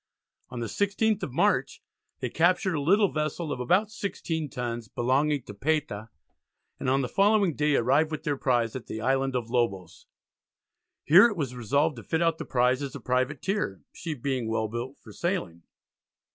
On the 16th of March they captured a little vessel of about 16 tons belonging to Payta, and on the following day arrived with their prize at the Island of Lobos. Here it was resolved to fit out the prize as a privateer, "she being well built for sailing."